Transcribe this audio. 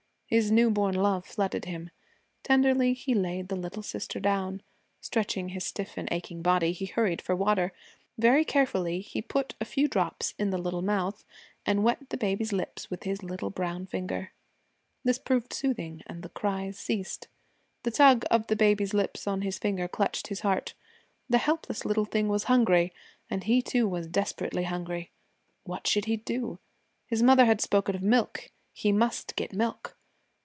His new born love flooded him. Tenderly he laid the little sister down. Stretching his stiff and aching body, he hurried for water. Very carefully he put a few drops in the little mouth and wet the baby's lips with his little brown finger. This proved soothing and the cries ceased. The tug of the baby's lips on his finger clutched his heart. The helpless little thing was hungry, and he too was desperately hungry. What should he do? His mother had spoken of milk. He must get milk.